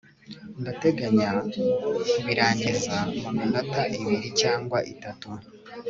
ndateganya kubirangiza mu minota ibiri cyangwa itatu